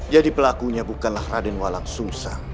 jadi pelakunya bukanlah raden walang sungsang